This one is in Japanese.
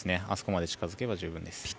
あそこまで近付けば十分です。